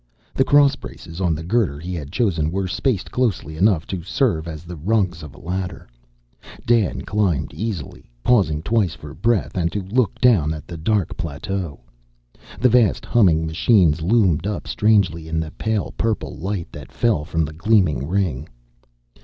The cross braces on the girder he had chosen were spaced closely enough to serve as the rungs of a ladder. Dan climbed easily, pausing twice for breath, and to look down at the dark plateau. The vast, humming machines loomed up strangely in the pale purple light that fell from the gleaming ring.